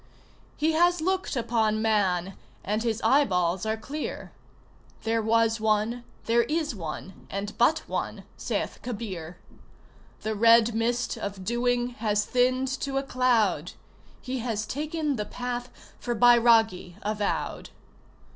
He has looked upon Man, and his eyeballs are clear (There was One; there is One, and but One, saith Kabir); The Red Mist of Doing has thinned to a cloud He has taken the Path for bairagi avowed!